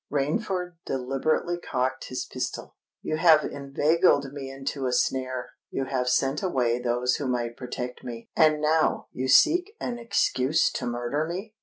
Rainford deliberately cocked his pistol. "You have inveigled me into a snare—you have sent away those who might protect me—and now you seek an excuse to murder me!"